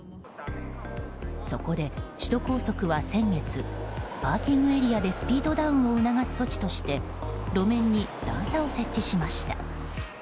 そこで、首都高速は先月パーキングエリアでスピードダウンを促す措置として路面に段差を設置しました。